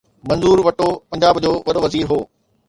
منظور ويٽو پنجاب جو وڏو وزير هو.